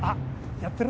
やってる？